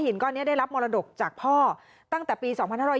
ก้อนนี้ได้รับมรดกจากพ่อตั้งแต่ปี๒๕๕๙